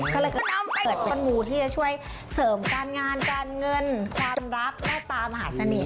ก็เลยก็นำไปเป็นมูลที่จะช่วยเสริมการงานการเงินความรับและตามหาเสนีย